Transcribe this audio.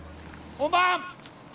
・本番！